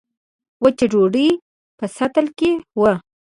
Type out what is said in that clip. وچه ډوډۍ په سطل کې وه.